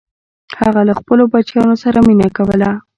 هغه له خپلو بچیانو سره مینه کوله.